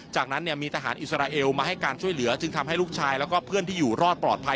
จากนั้นมีทหารอิสราเอลมาให้การช่วยเหลือจึงทำให้ลูกชายแล้วก็เพื่อนที่อยู่รอดปลอดภัย